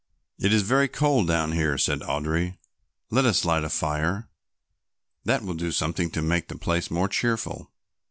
"It is very cold down here," said Audry, "let us light a fire. That will do something to make the place more cheerful."